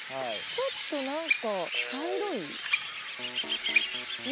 ちょっと何か茶色い？ね？